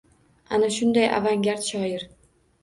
Ana shunday avangard shoir!